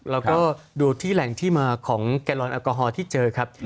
แล้วก็ดูที่แหล่งที่มาของแกลลอนแอลกอฮอลที่เจอครับ